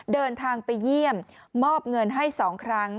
เดินทางไปเยี่ยมมอบเงินให้๒ครั้ง